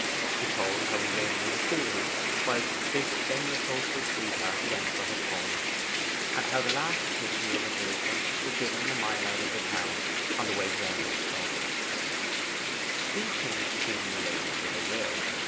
He told how he waited in the fields whilst this then reproachful sweetheart went for her pony, and how the last kiss he ever gave her was given a mile out of the town, on the way to Endelstow. These things Stephen related with a will.